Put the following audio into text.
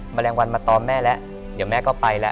มันมาตอมแม่แล้วไหมก็ไปแล้ว